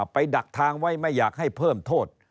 ดักทางไว้ไม่อยากให้เพิ่มโทษ